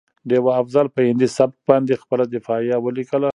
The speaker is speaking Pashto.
ډيوه افضل په هندي سبک باندې خپله دفاعیه ولیکه